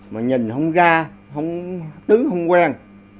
mà nhìn không ra tứ không quen